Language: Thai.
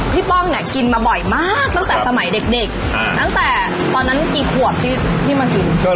ป้องเนี่ยกินมาบ่อยมากตั้งแต่สมัยเด็กตั้งแต่ตอนนั้นกี่ขวบที่มากิน